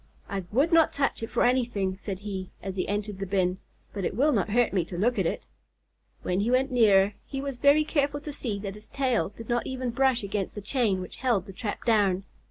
"I would not touch it for anything," said he, as he entered the bin, "but it will not hurt me to look at it." When he went nearer, he was very careful to see that his tail did not even brush against the chain which held the trap down.